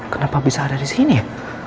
kenapa bisa ada disini ya